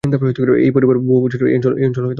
এই পরিবার বহুবছর এই অঞ্চল শাসন করেছিল।